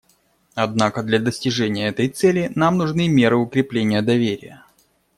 Однако для достижения этой цели нам нужны меры укрепления доверия.